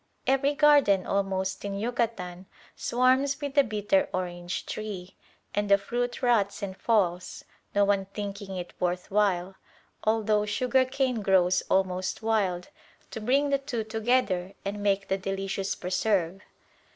Every garden almost in Yucatan swarms with the bitter orange tree, and the fruit rots and falls, no one thinking it worth while, although sugar cane grows almost wild, to bring the two together and make the delicious preserve.